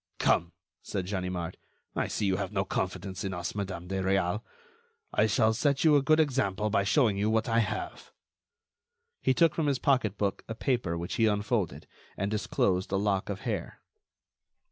"Come!" said Ganimard, "I see you have no confidence in us, Madame de Réal. I shall set you a good example by showing you what I have." He took from his pocketbook a paper which he unfolded, and disclosed a lock of hair.